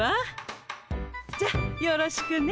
じゃあよろしくね。